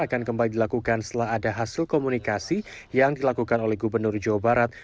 akan kembali dilakukan setelah ada hasil komunikasi yang dilakukan oleh gubernur jawa barat